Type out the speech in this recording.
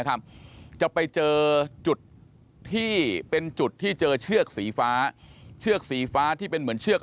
จะไปเจอจุดที่เป็นจุดที่เจอเชือกสีฟ้าเชือกสีฟ้าที่เป็นเหมือนเชือก